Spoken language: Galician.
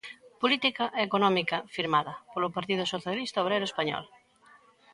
Política económica firmada polo Partido Socialista Obreiro Español.